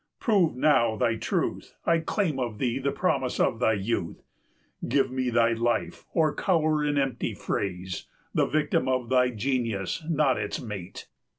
Prove now thy truth; I claim of thee the promise of thy youth; Give me thy life, or cower in empty phrase, 135 The victim of thy genius, not its mate!"